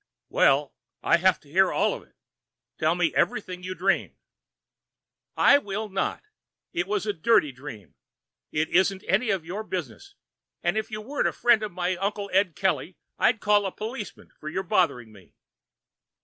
"Well, I have to hear all of it. Tell me everything you dreamed." "I will not. It was a dirty dream. It isn't any of your business. If you weren't a friend of my Uncle Ed Kelly, I'd call a policeman for your bothering me."